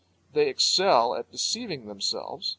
They excel at deceiving themselves.